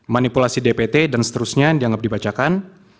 manipulasi dpt dan seterusnya dianggap dibacakan